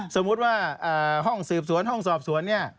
สมมุติว่าห้องสืบสวนห้องสอบสวนเนี่ย